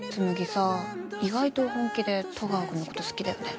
紬さ、意外と本気で戸川君のこと好きだよね。